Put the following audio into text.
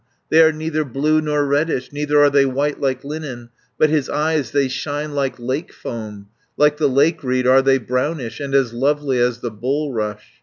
They are neither blue nor reddish, Neither are they white like linen, But his eyes they shine like lake foam, Like the lake reed are they brownish, And as lovely as the bulrush.